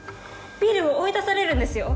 ビルを追い出されるんですよ？